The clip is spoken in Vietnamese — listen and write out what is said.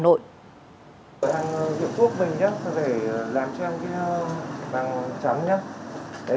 hàng dưỡng thuốc mình nhé phải làm cho hàng chấm nhé